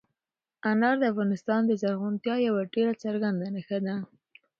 انار د افغانستان د زرغونتیا یوه ډېره څرګنده نښه ده.